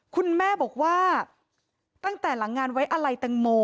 คุณแม่บอกว่าตั้งแต่หลังงานไว้อะไรแตงโม